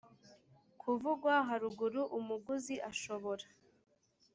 kuvugwa haruruguru umuguzi ashobora